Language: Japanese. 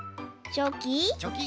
チョキ。